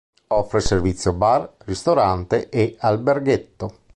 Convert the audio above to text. Offre servizio bar, ristorante e alberghetto.